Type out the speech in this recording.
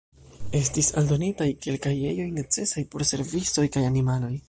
Estis aldonitaj kelkaj ejoj necesaj por servistoj kaj animaloj.